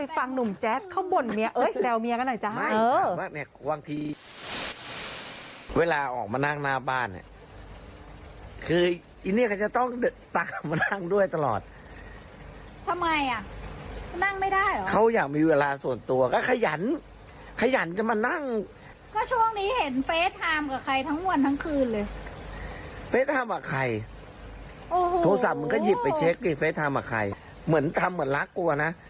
เฟสทามละใครโทรศัพท์มึงก็หยิบไปเช็คดิเฟสทามละใครเหมือนทำเหมือนรักกูอะน่ะ